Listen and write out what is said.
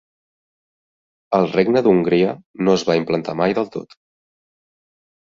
Al Regne d'Hongria no es va implantar mai del tot.